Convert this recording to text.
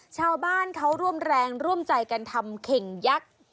ชาวบ้านเขาร่วมแรงร่วมใจกันทำเข่งยักษ์